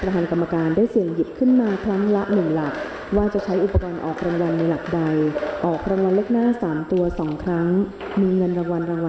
ครั้งประหลังกรรมการจะเสี่ยงหยิบลูกยางหมายเลขประจำหลักขึ้นมาใหม่ว่าจะใช้อุปกรณ์ออกรางวัลในหลักใดออกรางวัลเล็กหน้า๓ตัวครั้งที่๒ซึ่งเป็นครั้งสุดท้ายค่ะ